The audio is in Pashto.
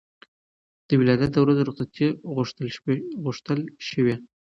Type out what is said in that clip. د ولادت د ورځو رخصتي غوښتل شوې.